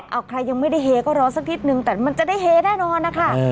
เอาใครยังไม่ได้เฮก็รอสักนิดนึงแต่มันจะได้เฮแน่นอนนะคะ